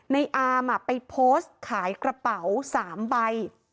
ในอามไปโพสต์ขายกระเป๋า๓ใบ